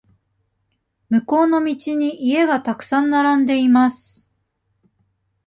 向こうの道に家がたくさん並んでいます。